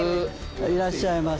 いらっしゃいませ。